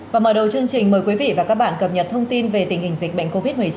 và mở đầu chương trình mời quý vị và các bạn cập nhật thông tin về tình hình dịch bệnh covid một mươi chín